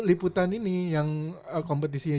liputan ini yang kompetisinya